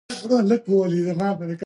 چې ځې ځې ابازو ته به راځې